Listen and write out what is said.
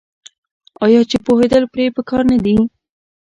آیا چې پوهیدل پرې پکار نه دي؟